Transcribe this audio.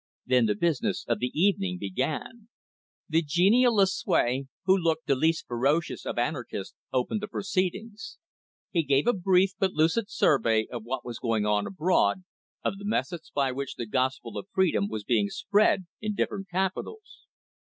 Then the business of the evening began. The genial Lucue, who looked the least ferocious of anarchists, opened the proceedings. He gave a brief but lucid survey of what was going on abroad, of the methods by which the great gospel of freedom was being spread in different capitals.